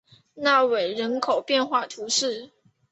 纳韦人口变化图示